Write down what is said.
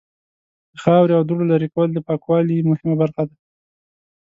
د خاورې او دوړو لرې کول د پاکوالی مهمه برخه ده.